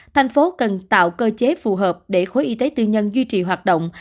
thành phố cần tạo cơ chế phù hợp để khối y tế tư nhân duy trì hoạt động